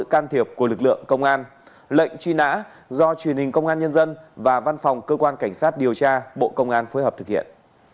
để đảm bảo sự can thiệp của lực lượng công an lệnh truy nã do truyền hình công an nhân dân và văn phòng cơ quan cảnh sát điều tra bộ công an phối hợp thực hiện